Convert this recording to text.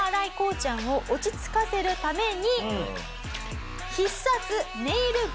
ちゃんを落ち着かせるために。